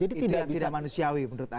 itu yang tidak manusiawi menurut anda